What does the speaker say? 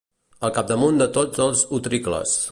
Al capdamunt de tots els utricles.